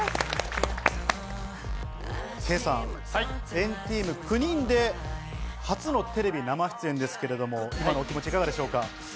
Ｋさん、＆ＴＥＡＭ、９人で初のテレビ生出演ですけど、今のお気持ちいかがでしょうか？